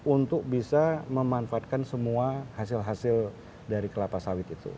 untuk bisa memanfaatkan semua hasil hasil dari kelapa sawit itu